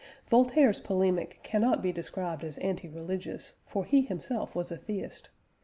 Voltaire's polemic cannot be described as anti religious, for he himself was a theist.